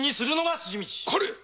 これ！